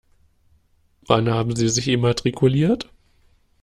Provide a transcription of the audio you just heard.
Wann haben Sie sich immatrikuliert?